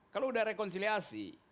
kalau udah rekonsiliasi